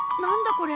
これ。